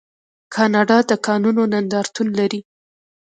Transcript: کاناډا د کانونو نندارتون لري.